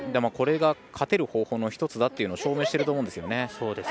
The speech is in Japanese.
これが勝てる方法の１つだということを証明していると思うんですよね。